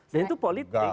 dan itu politik